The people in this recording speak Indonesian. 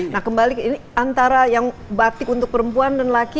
nah kembali antara yang batik untuk perempuan dan laki